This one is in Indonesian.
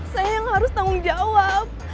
saya yang harus tanggung jawab